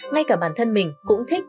ngay cả bản thân mình cũng thích